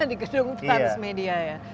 di gedung transmedia ya